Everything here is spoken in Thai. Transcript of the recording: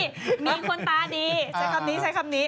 ใช้คำนี้ใช้คำนี้